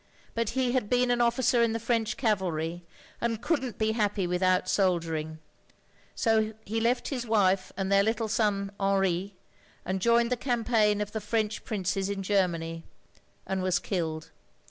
But he had been an officer in the French cavalry, and could n't be happy without soldiering, so he left his wife and their little son Henri, and joined the cam paign of the French princes in Germany, and was killed.